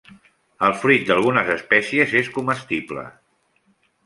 El fruit d'algunes espècies és comestible.